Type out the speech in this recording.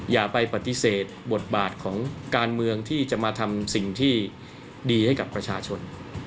อย่าไปปฏิเสธบทบาทของการเมืองที่จะมาทำสิ่งที่ดีให้กับประชาชน